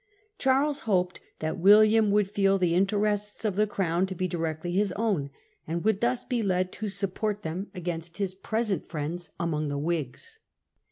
Charles if e wiiHam ge hoped that William would feel the interests of and Mary, the Crown to be directly his own, and would thus be led to support them against his present friends among the Whigs.